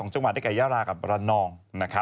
จังหวัดได้แก่ยารากับระนอง